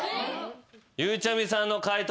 ゆうちゃみさんの解答